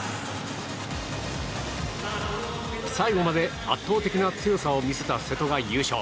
最後まで圧倒的な強さを見せた瀬戸が優勝。